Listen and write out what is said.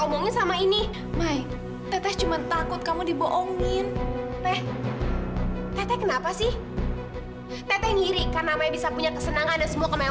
omongin sama ini mai teteh cuma takut kamu diboongin teh teteh kenapa sih teteh ngiri karena